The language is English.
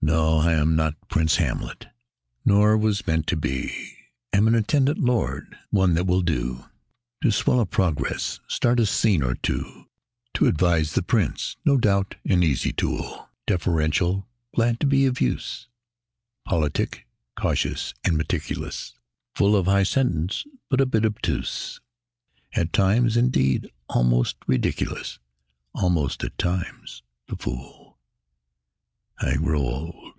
No! I am not Prince Hamlet, nor was meant to be; Am an attendant lord, one that will do To swell a progress, start a scene or two, Advise the prince; no doubt, an easy tool, Deferential, glad to be of use, Politic, cautious, and meticulous; Full of high sentence, but a bit obtuse; At times, indeed, almost ridiculous Almost, at times, the Fool. I grow old